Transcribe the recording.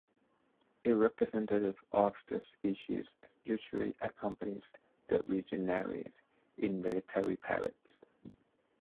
A representative of the species usually accompanies the legionaries in military parades.